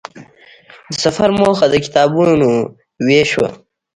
د سفر موخه د کتابونو وېش وه.